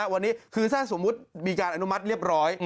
วันนี้คือถ้าสมมุติมีการอนุมัติเรียบร้อย